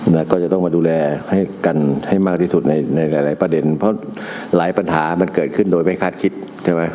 นะก็จะต้องมาดูแลให้กันให้มากที่สุดในในหลายประเด็นเพราะหลายปัญหามันเกิดขึ้นโดยไม่คาดคิดใช่ไหม